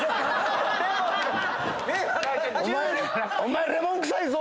お前レモン臭いぞ！